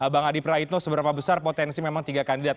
bang adi praitno seberapa besar potensi memang tiga kandidat